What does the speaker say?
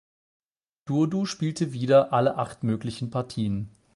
Durdu spielte wieder alle acht möglichen Partien.